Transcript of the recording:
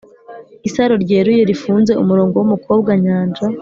isaro ryeruye, rifunze, umurongo wumukobwa-nyanja